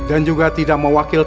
aku sudah berhasil